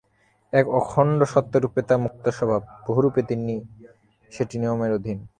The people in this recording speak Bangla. এক অখণ্ড সত্তা-রূপে তা মুক্তস্বভাব, বহু-রূপে সেটি নিয়মের অধীন।